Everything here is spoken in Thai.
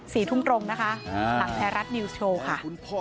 สี่ทุ่มตรงนะคะหลังไทยรัฐนิวส์โชว์ค่ะ